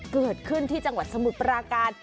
เกิดขึ้นที่จังหวัดสมุทรปราการ